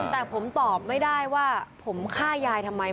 แต่ผมตอบไม่ได้ว่าผมฆ่ายายทำไม